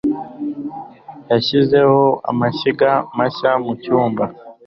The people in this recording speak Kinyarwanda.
Yashyizeho amashyiga mashya mu cyumba.